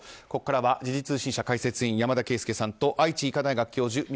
ここからは時事通信社解説委員山田惠資さんと愛知医科大学教授